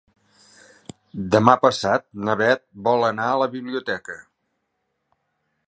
Demà passat na Bet vol anar a la biblioteca.